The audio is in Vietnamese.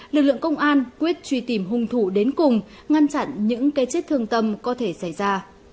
lực lượng công an quyết truy tìm hung thủ đến cùng ngăn chặn những cái chết thương tâm có thể xảy ra